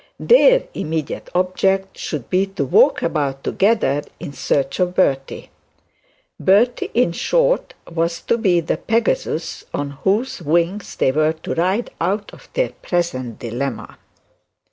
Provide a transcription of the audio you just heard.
Their immediate object should be to walk about together in search of Bertie. Bertie, in short, was to be the Pegasus on whose wings they were to ride out of their present dilemma.